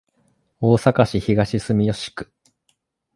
大阪市東住吉区